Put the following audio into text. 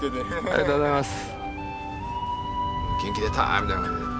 ありがとうございます。